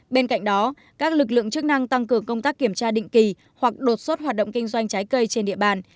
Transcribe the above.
bên cạnh đó các lực lượng chức năng tăng cường công tác kiểm tra định kỳ hoặc đột xuất hoạt động kinh doanh trái cây trên địa bàn